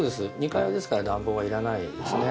２階はですから暖房はいらないですね。